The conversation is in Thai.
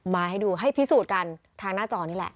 มาให้ดูให้พิสูจน์กันทางหน้าจอนี่แหละ